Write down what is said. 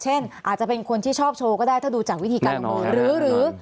อาจจะเป็นคนที่ชอบโชว์ก็ได้ถ้าดูจากวิธีการขโมยหรือ